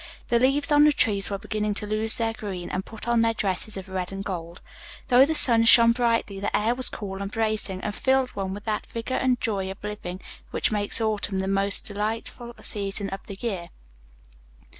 The leaves on the trees were beginning to lose their green and put on their dresses of red and gold. Though the sun shone brightly, the air was cool and bracing, and filled one with that vigor and joy of living which makes autumn the most delightful season of the year.